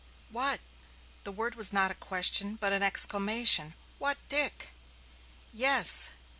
"What!" The word was not a question, but an exclamation. "What Dick!" "Yes yes.